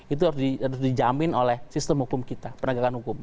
itu harus dijamin oleh sistem hukum kita penegakan hukum